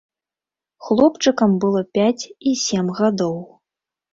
Хлопчыкам было пяць і сем гадоў.